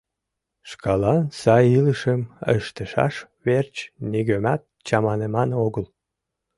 Шкалан сай илышым ыштышаш верч нигӧмат чаманыман огыл.